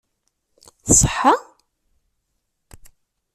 Tṣeḥḥa?